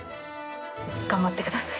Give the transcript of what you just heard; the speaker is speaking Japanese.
頑張ってください。